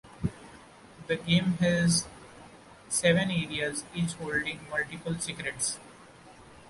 The game has seven areas, each holding multiple secrets.